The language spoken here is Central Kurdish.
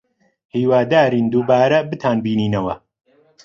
هیوادارین دووبارە بتانبینینەوە.